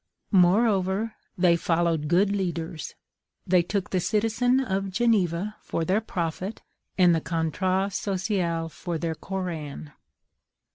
Moreover they followed good leaders: they took the citizen of Geneva for their prophet, and the contrat social for their Koran.